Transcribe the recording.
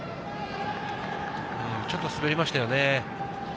ちょっと滑りましたよね。